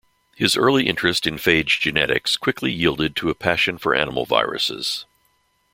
His early interest in phage genetics quickly yielded to a passion for animal viruses.